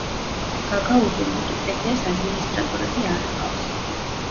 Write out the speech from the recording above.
გაგაუზურ ვიკიპედიას ადმინისტრატორები არ ჰყავს.